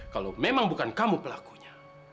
kalau memang bukan kamu pelakunya